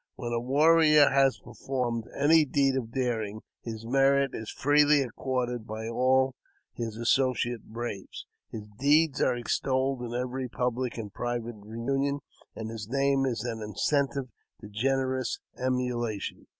When a warrior has performed any deed of daring, his merit is freely accorded by all his associate braves ; his deeds are extolled in every public and private reunion, and his name is an incentive to generous emulation.